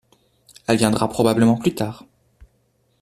Elle viendra probablement plus tard.